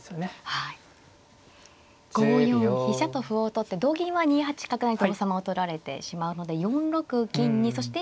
５四飛車と歩を取って同銀は２八角成と王様を取られてしまうので４六金にそして